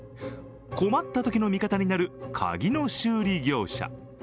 困ったときの味方になる鍵の修理業者。